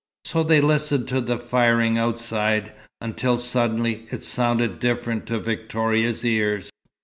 So they listened to the firing outside, until suddenly it sounded different to Victoria's ears.